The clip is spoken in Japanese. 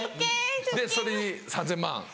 それに３０００万円。